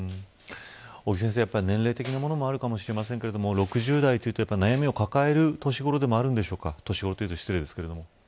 尾木先生、年齢的なものもあるかもしれませんけど６０代というと悩みを抱える年頃でもあるんでしょうか年頃と言うと失礼ですけど。